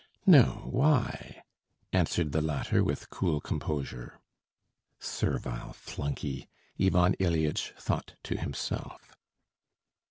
"No, why?" answered the latter with cool composure. "Servile flunkey," Ivan Ilyitch thought to himself.